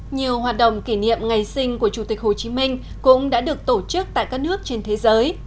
nhiều hoạt động kỷ niệm ngày sinh của chủ tịch hồ chí minh cũng đã được tổ chức tại các nước trên thế giới